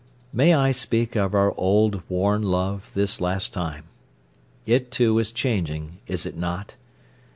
"May I speak of our old, worn love, this last time. It, too, is changing, is it not?